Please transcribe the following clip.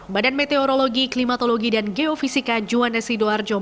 badan meteorologi klimatologi dan geofisika juanda sidoarjo